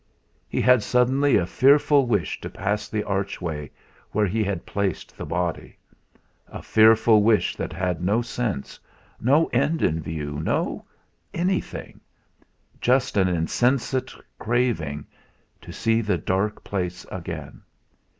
He had suddenly a fearful wish to pass the archway where he had placed the body; a fearful wish that had no sense, no end in view, no anything; just an insensate craving to see the dark place again.